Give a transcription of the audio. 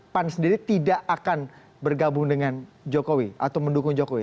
pan sendiri tidak akan bergabung dengan jokowi atau mendukung jokowi